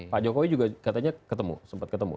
pak jokowi juga katanya ketemu sempat ketemu